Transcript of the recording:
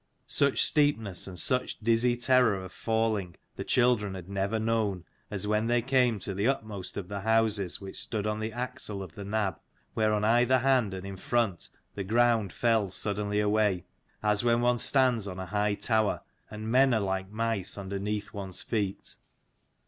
Such steepness and 119 such dizzy terror of falling the children had never known, as when they came to the utmost of the houses, which stood on the axle of the nab, where on either hand and in front the ground fell suddenly away, as when one stands on a high tower, and men are like mice underneath one's feet.